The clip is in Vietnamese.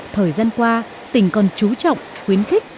thời gian qua tỉnh còn trú trọng khuyến khích